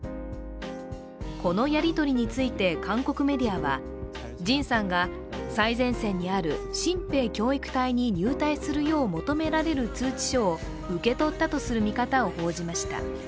このやり取りについて韓国メディアは、ＪＩＮさんが最前線にある新兵教育隊に入隊するよう求められる通知書を受け取ったとする見方を報じました。